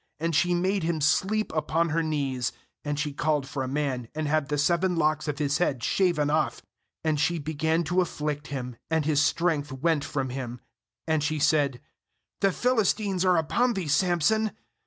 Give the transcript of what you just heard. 19And she made him sleep upon her knees; and she called for a man, and had the seven locks of his head shaven off; and she began to afflict him, and his strength went from him. 20And she said: 'The Philistines are upon thee, Samson.